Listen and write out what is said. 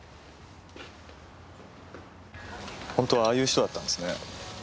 本当はああいう人だったんですね。